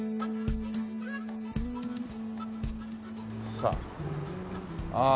さあああ